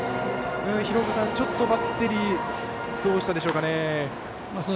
廣岡さん、ちょっとバッテリーどうしたでしょうかね。